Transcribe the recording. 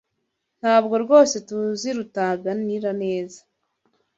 Ntabwo rwose TUZI Rutaganira neza.